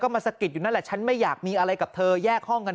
มาสะกิดอยู่นั่นแหละฉันไม่อยากมีอะไรกับเธอแยกห้องกัน